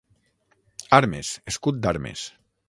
Armes, escut d'armes.